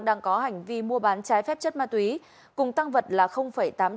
đang có hành vi mua bán trái phép chất ma túy cùng tăng vật là tám trăm chín mươi sáu g